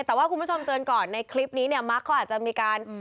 แต่ว่าคุณผู้ชมเตือนก่อนในคลิปนี้เนี่ยมักเขาอาจจะมีการ